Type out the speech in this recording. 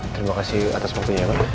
terima kasih atas waktunya ya pak